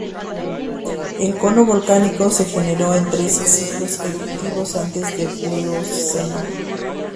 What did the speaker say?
El cono volcánico se generó en tres ciclos eruptivos antes del Plioceno.